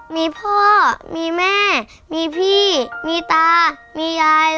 มีพ่อมีแม่มีพี่มีตามียาย